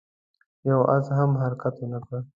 يوه آس هم حرکت ونه کړ.